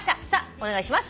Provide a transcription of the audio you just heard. お願いします。